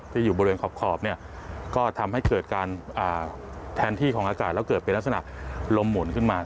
อยู่บริเวณขอบเนี่ยก็ทำให้เกิดการแทนที่ของอากาศแล้วเกิดเป็นลักษณะลมหมุนขึ้นมา